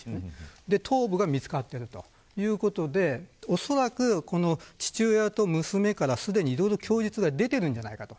そして、頭部が見つかっているということでおそらく、父親と娘からすでにいろいろと供述が出ているんじゃないかと。